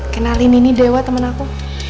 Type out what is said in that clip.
kenalin ini dewa teman aku